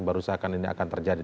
yang baru disahkan ini akan terjadi